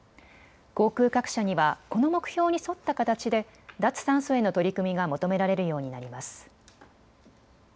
航空各社にはこの目標に沿った形で脱炭素への取り組みが求められるようになります。